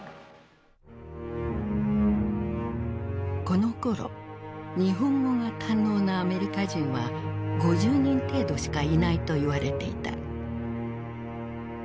このころ日本語が堪能なアメリカ人は５０人程度しかいないと言われていた。